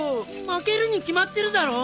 負けるに決まってるだろ？